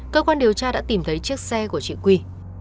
cơ quan điều tra đã tìm thấy chiếc xe của chị quy